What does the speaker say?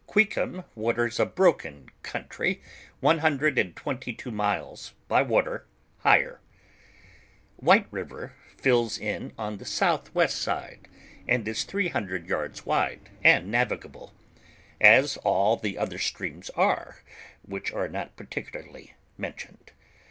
Cluicurn waters a broken country one hundred and twenty two miles, by water, higher. White 28 JOURNAL OF river fills in on the south west side, and is three hundred yartls wide, and navigable, as all the other streams arc, which are not particularly mentioned.